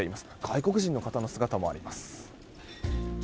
外国人の方の姿もあります。